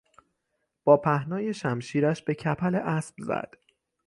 با پهنای شمشیرش به کپل اسب زد.